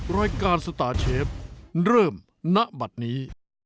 รายการสตาร์เชฟเริ่มณบัตรนี้